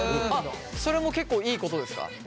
それも結構いいことですか？